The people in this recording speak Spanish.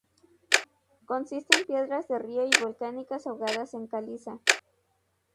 Consiste en piedras de río y volcánicas ahogadas en caliza.